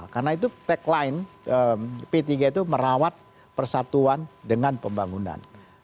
karena itu tagline p tiga itu merawat persatuan dengan pembangunan